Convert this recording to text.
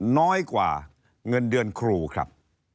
น้อยกว่าเงินเดือนครูครับ